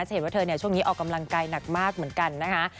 เห็นว่าเธอช่วงนี้ออกกำลังกายหนักมากเหมือนกันนะคะ